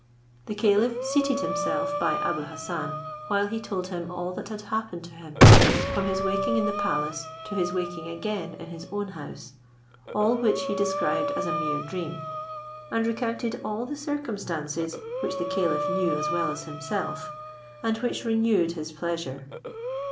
The caliph seated himself by Abou Hassan, while he told him all that had happened to him, from his waking in the palace to his waking again in his own house, all which he described as a mere dream, and recounted all the circumstances, which the caliph knew as well as himself, and which renewed his pleasure.